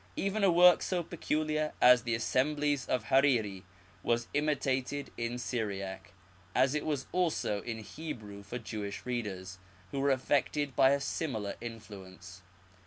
Even a work so peculiar as the Assemblies of Hariri was imitated in Syriac, as it was also in Hebrew for Jewish readers, who were aflFected by a similar influence.